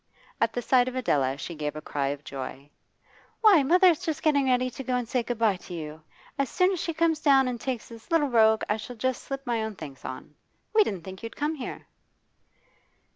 At the sight of Adela she gave a cry of joy. 'Why, mother's just getting ready to go and say good bye to you. As soon as she comes down and takes this little rogue I shall just slip my own things on. We didn't think you'd come here.